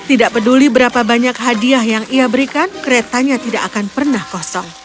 tidak peduli berapa banyak hadiah yang ia berikan keretanya tidak akan pernah kosong